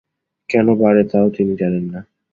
কেন বাড়ে, তাও তিনি জানেন না।